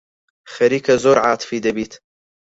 خەریکە زۆر عاتیفی دەبیت.